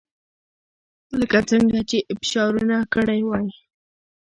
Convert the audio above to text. لکه څنګه چې ابشار ونه کړای شوه